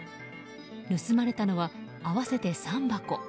盗まれたのは合わせて３箱。